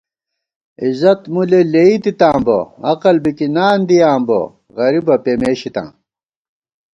عزت مُلے لېئی تِتاں بہ عقل بِکِنان دِیاں بہ غریبہ پېمېشِتاں